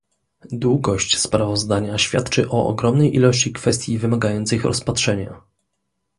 Długość sprawozdania świadczy o ogromnej ilości kwestii wymagających rozpatrzenia